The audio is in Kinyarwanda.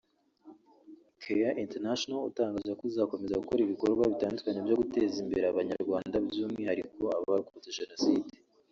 Care International utangaza ko uzakomeza gukora ibikorwa bitandukanye byo guteza imbere Abanyarwanda by’umwihariko abarokotse Jenoside